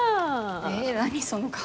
え何その顔。